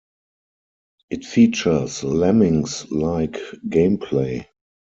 It features "Lemmings"-like gameplay.